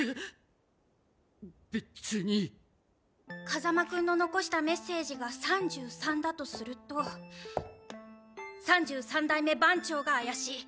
風間くんの残したメッセージが３３だとすると３３代目番長が怪しい。